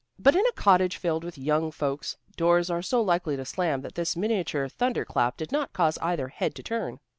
But in a cottage filled with young folks, doors are so likely to slam that this miniature thunder clap did not cause either head to turn.